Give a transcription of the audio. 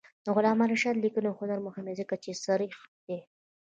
د علامه رشاد لیکنی هنر مهم دی ځکه چې صریح دی.